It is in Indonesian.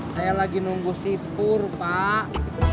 saya lagi nunggu si pur pak